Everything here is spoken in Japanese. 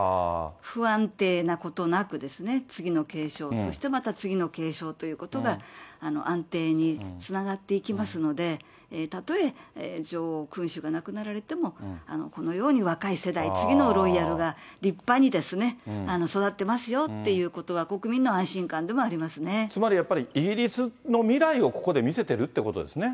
不安定なことなくですね、次の継承、そしてまた次の継承ということが、安定につながっていきますので、たとえ女王、君主が亡くなられても、このように若い世代、次のロイヤルが立派にですね、育ってますよっていうことは、つまり、やっぱりイギリスの未来をここで見せてるってことですね？